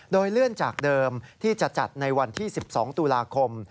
โดยเลื่อนจากเดิมที่จะจัดในวันที่๑๒ตุลาคม